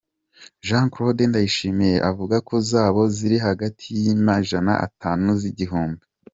Jean Claude Ndayishimiye avuga ko zoba ziri hagati y’amajana atanu n’igihumbi.